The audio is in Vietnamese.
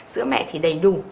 sữa mẹ thì đầy đủ